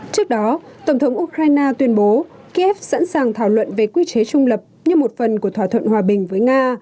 trước đó tổng thống ukraine tuyên bố kiev sẵn sàng thảo luận về quy chế trung lập như một phần của thỏa thuận hòa bình với nga